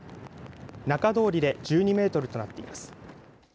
中通りで１２メートルとなっています。